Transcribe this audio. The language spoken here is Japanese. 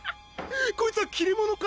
こいつは切れ者か？